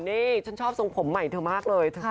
นี่ฉันชอบทรงผมใหม่เธอมากเลย